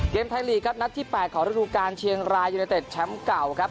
เกมไทยลีกครับนัดที่๘ของฤดูการเชียงรายยูเนเต็ดแชมป์เก่าครับ